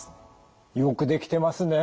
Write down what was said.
よくできてますね。